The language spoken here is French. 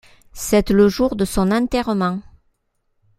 C'est le jour de son enterrement.